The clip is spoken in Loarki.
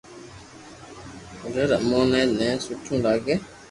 گھر اموني ني سٺو لاگي ھي